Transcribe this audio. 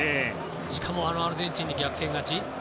しかも、あのアルゼンチンに逆転勝ち。